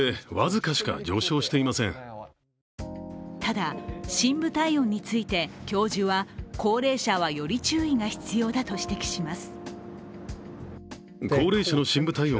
ただ、深部体温について教授は高齢者はより注意が必要だと指摘します。